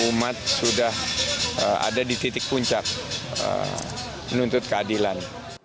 umat sudah ada di titik puncak menuntut keadilan